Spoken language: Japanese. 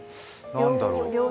何だろう？